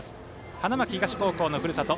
花巻東高校のふるさと。